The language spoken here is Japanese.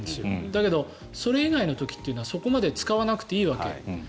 だけど、それ以外の時はそこまで使わなくていいわけ。